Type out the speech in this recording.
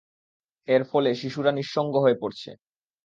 এর ফলে শিশুরা নিঃসঙ্গ হয়ে পড়ছে।